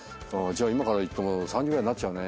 今から行っても３時ぐらいになっちゃうね